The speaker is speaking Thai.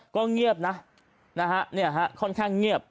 ก็เงียบนะนะฮะเนี่ยฮะค่อนข้างเงียบ